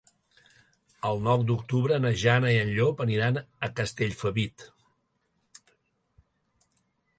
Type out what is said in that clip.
El nou d'octubre na Jana i en Llop aniran a Castellfabib.